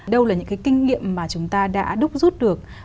đâu là những cái kinh nghiệm mà chúng ta đã đúc rút được